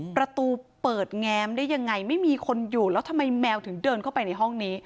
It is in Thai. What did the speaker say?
ประตูเปิดแง้มได้ยังไงไม่มีคนอยู่แล้วทำไมแมวถึงเดินเข้าไปในห้องนี้